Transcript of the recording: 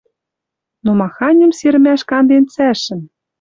Но маханьым сирӹмӓш канден цӓшӹм